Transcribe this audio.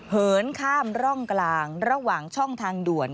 เหินข้ามร่องกลางระหว่างช่องทางด่วน